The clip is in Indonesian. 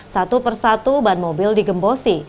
satu persatu ban mobil digembosi